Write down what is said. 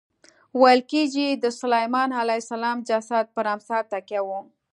ویل کېږي د سلیمان علیه السلام جسد پر امسا تکیه و.